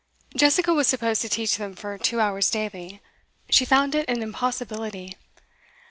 Jessica was supposed to teach them for two hours daily; she found it an impossibility.